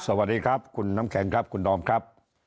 สวัสดีครับคุณน้ำแข็งครับคุณดอมครับ